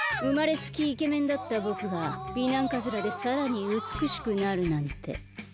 うまれつきイケメンだったぼくが美男カズラでさらにうつくしくなるなんて。